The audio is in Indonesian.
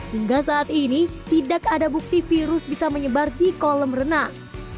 hingga saat ini tidak ada bukti virus bisa menyebar di kolam renang